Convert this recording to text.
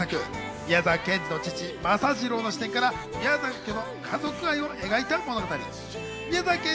宮沢賢治の父・政次郎の視点から宮沢家の家族愛を描いた物語。